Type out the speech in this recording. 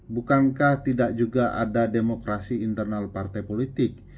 bukankah tidak juga ada demokrasi internal partai politik